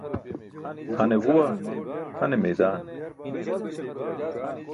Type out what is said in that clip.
Hane guẏa, hane maidan.